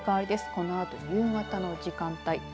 このあと夕方の時間帯。